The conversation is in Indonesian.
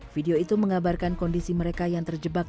video itu mengabarkan kondisi mereka yang terjebak